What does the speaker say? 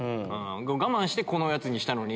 我慢してこのやつにしたのに。